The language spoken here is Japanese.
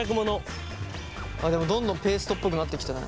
どんどんペーストっぽくなってきたね。